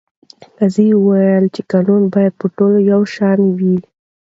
قاضي وویل چې قانون باید په ټولو یو شان وي.